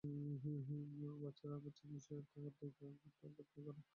বাচ্চাদের নিজস্ব থাকার জায়গা দরকার, তাই কি?